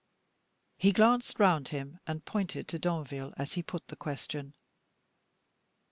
He glanced round him, and pointed to Danville, as he put the question.